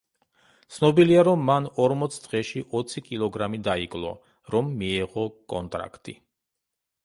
ცნობილია, რომ მან ორმოც დღეში ოცი კილოგრამი დაიკლო, რომ მიეღო კონტრაქტი.